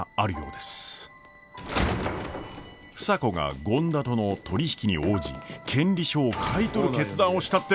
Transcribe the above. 房子が権田との取り引きに応じ権利書を買い取る決断をしたって。